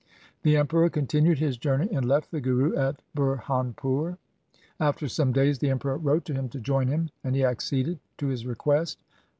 The Emperor continued his journey and left the Guru at Burhanpur. After some days the Emperor wrote to him to join him, and he acceded to his request.